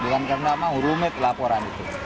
bukan karena mau rumit laporan itu